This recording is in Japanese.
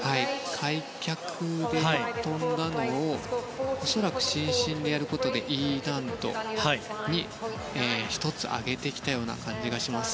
開脚だったのを恐らく伸身でやることでＥ難度に１つ上げてきた感じがします。